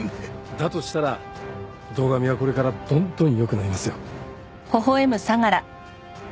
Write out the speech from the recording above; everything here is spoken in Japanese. だとしたら堂上はこれからどんどん良くなりますよ。